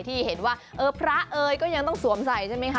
ที่เห็นว่าเออพระเอ๋ยก็ยังต้องสวมใส่ใช่ไหมคะ